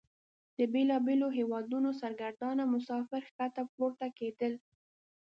د بیلابیلو هیوادونو سرګردانه مسافر ښکته پورته کیدل.